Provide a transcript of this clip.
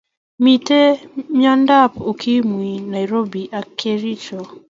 Miten miandab ukimwi nairobi ak kercho